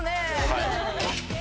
はい。